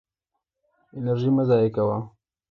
انرژي مه ضایع کوه.